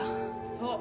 そう。